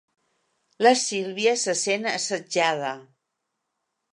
La Sílvia se sent assetjada.